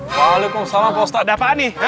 waalaikumsalam pak ustaz ada apaan nih